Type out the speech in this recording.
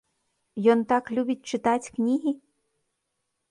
Ён так любіць чытаць кнігі?